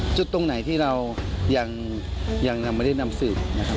ตรงไหนที่เรายังไม่ได้นำสืบนะครับ